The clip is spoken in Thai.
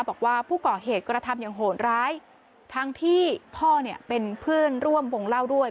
บอกว่าผู้ก่อเหตุกระทำอย่างโหดร้ายทั้งที่พ่อเนี่ยเป็นเพื่อนร่วมวงเล่าด้วย